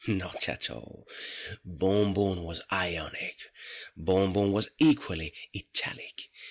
Not at all. Bon Bon was Ionic—Bon Bon was equally Italic.